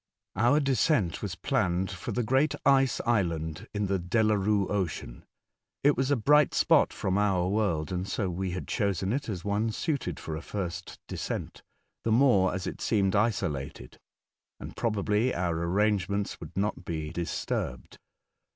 OUR descent was planned for the Great Ice Island in tlie Delarue Ocean. It was a bright spot from our world, and so we had chosen it as one suited for a first descent — the more as it seemed isolated, and ^Drobablj our arrangements would not be disturbed.